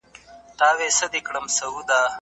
هغه وويل چي قلم ضروري دی!.